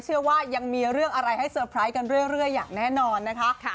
เชื่อว่ายังมีเรื่องอะไรให้เตอร์ไพรส์กันเรื่อยอย่างแน่นอนนะคะ